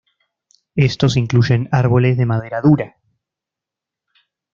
Estos incluyen árboles de madera dura.